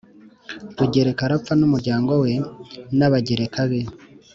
rugereka arapfa n'umuryango we n' abagereka be